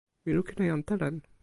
mi lukin e jan Telen.